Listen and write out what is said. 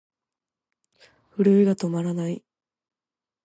震えが止まらない。